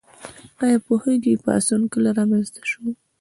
ایا پوهیږئ پاڅون کله رامنځته شو؟